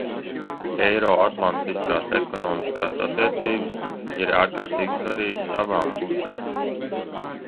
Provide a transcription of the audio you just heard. Eiroatlantiskās ekonomiskās attiecības ir ārkārtīgi svarīgas abām pusēm.